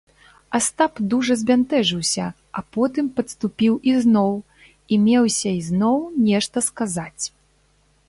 Астап дужа збянтэжыўся, а потым падступіў ізноў і меўся ізноў нешта сказаць.